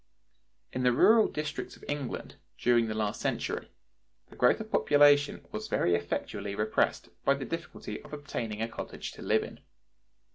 In the rural districts of England, during the last century, the growth of population was very effectually repressed by the difficulty of obtaining a cottage to live in.